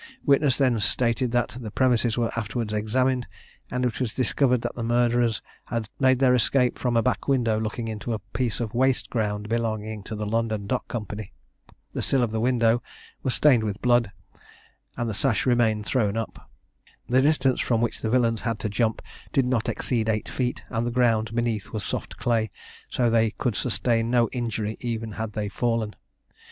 Witness then stated that the premises were afterwards examined, and it was discovered that the murderers had made their escape from a back window looking into a piece of waste ground belonging to the London Dock Company. The sill of the window was stained with blood, and the sash remained thrown up. The distance which the villains had to jump did not exceed eight feet, and the ground beneath was soft clay; so they could sustain no injury even had they fallen.